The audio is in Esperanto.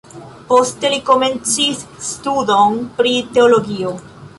Poste li komencis studon pri teologio.